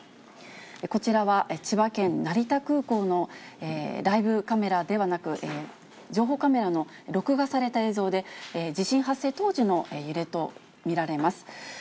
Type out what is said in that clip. こちらは、千葉県成田空港のライブカメラではなく、情報カメラの録画された映像で、地震発生当時の揺れと見られます。